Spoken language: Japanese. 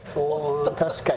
確かに。